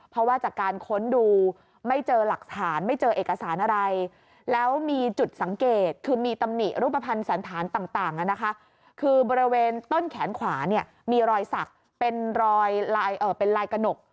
เพราะว่าจากการค้นดูไม่เจอหลักฐานไม่เจอเอกสารอะไรแล้วมีจุดสังเกตคือมีตำหนิรูปภัณฑ์สันธารต่างนะคะคือบริเวณต้นแขนขวาเนี่ยมีรอยสักเป็นลายกระหนก